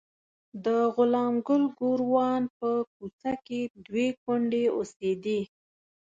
د غلام ګل ګوروان په کوڅه کې دوې کونډې اوسېدې.